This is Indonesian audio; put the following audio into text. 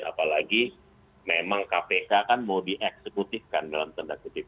apalagi memang kpk kan mau dieksekutifkan dalam tanda kutip